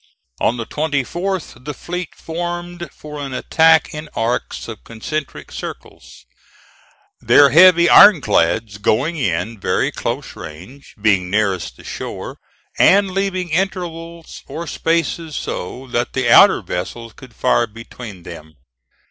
On the 24th the fleet formed for an attack in arcs of concentric circles, their heavy iron clads going in very close range, being nearest the shore, and leaving intervals or spaces so that the outer vessels could fire between them.